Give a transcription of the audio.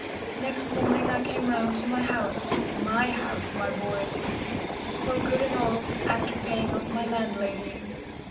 Next morning I came round to my house MY house, my boy! for good and all, after paying off my landlady.